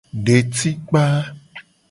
Detikpa.